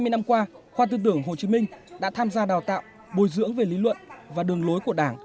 hai mươi năm qua khoa tư tưởng hồ chí minh đã tham gia đào tạo bồi dưỡng về lý luận và đường lối của đảng